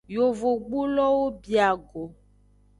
Yovogbulowo bia go.